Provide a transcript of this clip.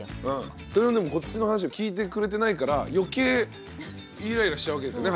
それはでもこっちの話を聞いてくれてないから余計イライラしちゃうわけですよね